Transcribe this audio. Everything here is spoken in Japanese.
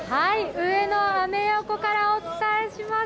上野・アメ横からお伝えします。